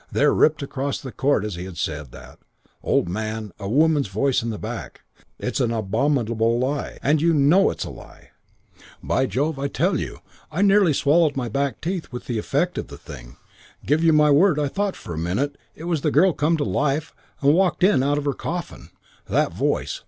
"There ripped across the court as he said that, old man, a woman's voice from the back. 'It's a lie. It's an abominable lie. And you know it's a lie!' "By Jove, I tell you! I nearly swallowed my back teeth with the effect of the thing. Give you my word I thought for a minute it was the girl come to life and walked in out of her coffin. That voice!